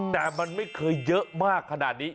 แต่มันไม่เคยเยอะมากขนาดนี้